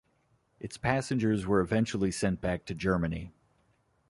Its passengers were eventually sent back to Germany.